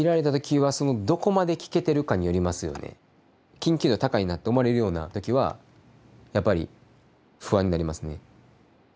緊急度高いなって思われるような時はやっぱり不安になりますね。